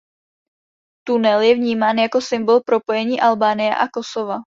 Tunel je vnímán jako symbol propojení Albánie a Kosova.